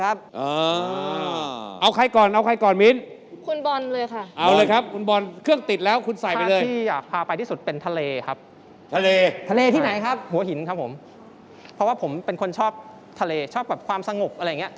ตามอยากพาไปที่สุดเป็นทะเลครับทะเลที่ไหนครับหัวหินครับผมเพราะว่าผมเป็นคนชอบทะเลชอบแบบความสงบอะไรอย่างนี้